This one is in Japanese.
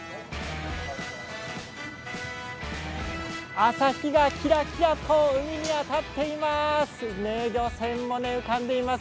朝日がきらきらと海に当たっています。